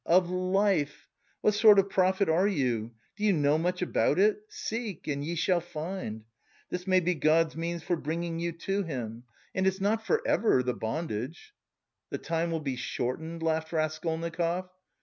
"Of life. What sort of prophet are you, do you know much about it? Seek and ye shall find. This may be God's means for bringing you to Him. And it's not for ever, the bondage...." "The time will be shortened," laughed Raskolnikov.